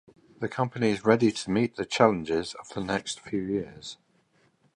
The company is ready to meet the challenges of the next few years.